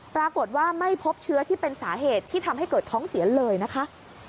ปรากฏว่าไม่พบเชื้อที่เป็นสาเหตุที่ทำให้เกิดท้องเสียเลยนะคะ